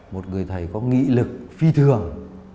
một người thầy có nghị lực phi thường